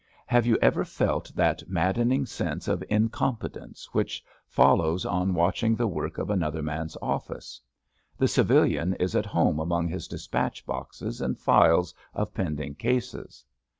Have you ever felt that maddening sense of in competence which follows on watching the work of another man's office? The civilian is at home among his despatch boxes and files of pending cases.